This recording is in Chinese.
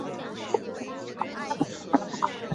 林仙东是一名韩国男子棒球运动员。